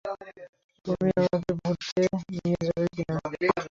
তুমি আমাকে ঘুরতে নিয়ে যাবে কি-না?